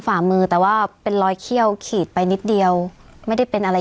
ฝ่ามือแต่ว่าเป็นรอยเขี้ยวขีดไปนิดเดียวไม่ได้เป็นอะไร